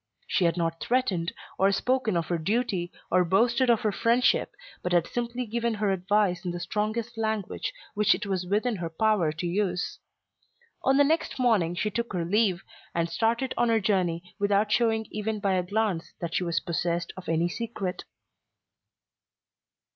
She had not threatened, or spoken of her duty, or boasted of her friendship, but had simply given her advice in the strongest language which it was within her power to use. On the next morning she took her leave, and started on her journey without showing even by a glance that she was possessed of any secret.